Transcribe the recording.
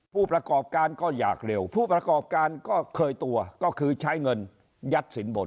ผู้ประกอบการก็อยากเร็วผู้ประกอบการก็เคยตัวก็คือใช้เงินยัดสินบน